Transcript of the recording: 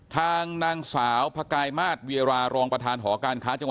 ทางนางสาวพกายมาสเวียรารองประธานหอการค้าจังหวัด